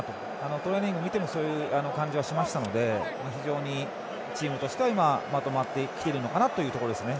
トレーニングを見てもそういう感じはしましたので非常にチームとしては今まとまってきているのかなというところですね。